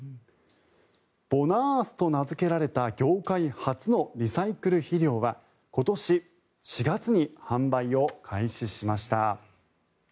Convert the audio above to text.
ボナースと名付けられた業界初のリサイクル肥料は今年４月に販売を開始しました。